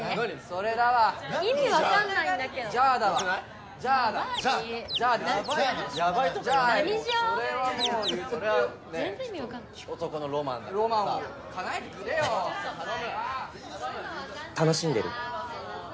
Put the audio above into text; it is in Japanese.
・それだわ・意味分かんないんだけど・じゃあだわじゃあだ・・やばい・・やばいとか言わない・・それはもう・・男のロマンだからさ・・ロマンかなえてくれよ・楽しんでる？